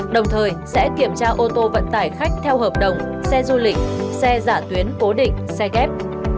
đồng thời sẽ kiểm tra ô tô vận tải khách theo hợp đồng xe du lịch xe dạ tuyến cố định xe kép